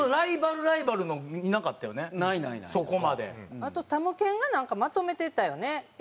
あとたむけんがなんかまとめてたよね意外と。